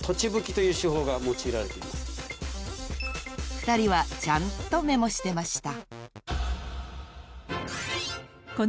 ［２人はちゃんとメモしてました］